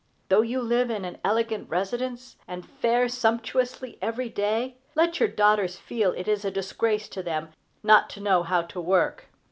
Though you live in an elegant residence, and fare sumptuously every day, let your daughters feel it is a disgrace to them not to know how to work.